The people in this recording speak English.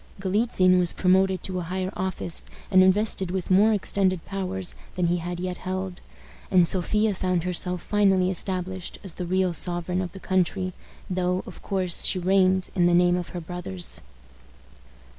Galitzin was promoted to a higher office, and invested with more extended powers than he had yet held, and Sophia found herself finally established as the real sovereign of the country, though, of course, she reigned, in the name of her brothers.